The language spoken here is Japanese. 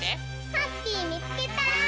ハッピーみつけた！